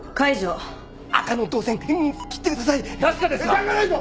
時間がないぞ！